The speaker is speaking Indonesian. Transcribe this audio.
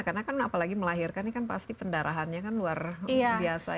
karena kan apalagi melahirkan pasti pendarahannya kan luar biasa itu